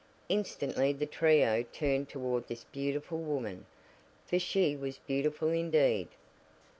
Instantly the trio turned toward this beautiful woman, for she was beautiful indeed.